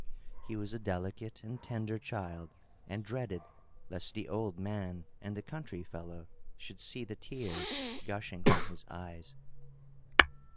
He was a delicate and tender child, and dreaded lest the old man and the country fellow should see the tears gushing from his eyes.